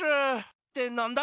ってなんだ？